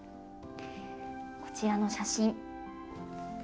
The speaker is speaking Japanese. こちらの写真。